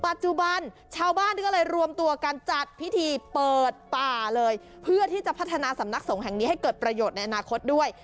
ชาวบ้านก็เลยรวมตัวกันจัดพิธีเปิดป่าเลยเพื่อที่จะพัฒนาสำนักสงฆ์แห่งนี้ให้เกิดประโยชน์ในอนาคตด้วย